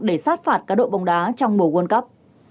để sát phạt các đội bóng đá trong mùa world cup